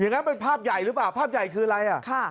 งั้นเป็นภาพใหญ่หรือเปล่าภาพใหญ่คืออะไรอ่ะ